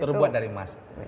terbuat dari emas